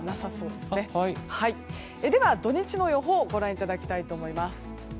では、土日の予報をご覧いただきたいと思います。